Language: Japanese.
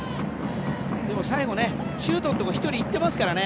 最後ねシュートのところに１人行ってますからね